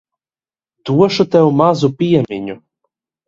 Došu tev mazu piemiņu.